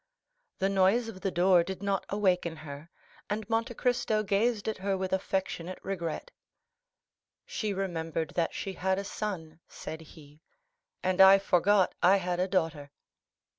The noise of the door did not awaken her, and Monte Cristo gazed at her with affectionate regret. "She remembered that she had a son," said he; "and I forgot I had a daughter."